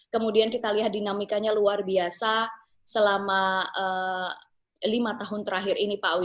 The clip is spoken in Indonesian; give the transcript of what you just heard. kemudian kita lihat dinamikanya luar biasa selama lima tahun terakhir ini pak awi